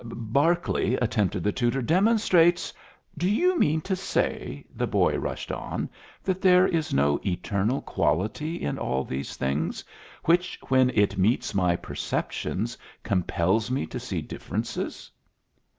"Berkeley," attempted the tutor, "demonstrates " "Do you mean to say," the boy rushed on, "that there is no eternal quality in all these things which when it meets my perceptions compels me to see differences?"